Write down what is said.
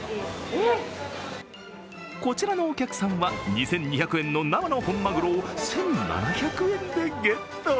こちらのお客さんは２２００円の生の本まぐろを１７００円でゲット。